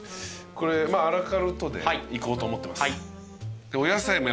これアラカルトでいこうと思ってます。